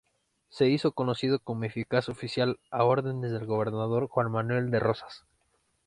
Se hizo conocido como eficaz oficial a órdenes del gobernador Juan Manuel de Rosas.